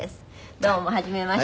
どうもはじめまして。